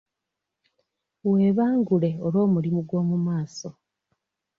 Weebangule olw'omulimu gw'omu maaso.